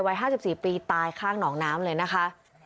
วัย๕๔ปีตายข้างหนองน้ำเลยนะคะ